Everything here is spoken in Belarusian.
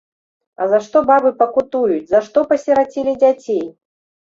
А за што бабы пакутуюць, за што пасірацілі дзяцей!